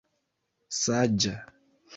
saĝa